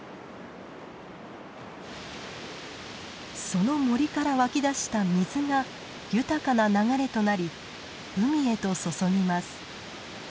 その森から湧き出した水が豊かな流れとなり海へと注ぎます。